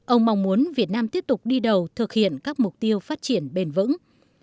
ông mong muốn việt nam tiếp tục đi đầu thực hiện các mục tiêu phát triển bền vững